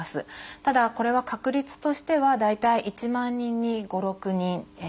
ただこれは確率としては大体１万人に５６人。